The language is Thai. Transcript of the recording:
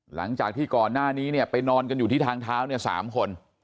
หลังจากที่ก่อนหน้านี้เนี่ยไปนอนกันอยู่ที่ทางเท้าเนี่ย๓คน